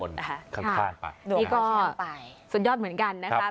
นี่ก็สุดยอดเหมือนกันนะคะ